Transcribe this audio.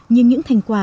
nhưng những thành quả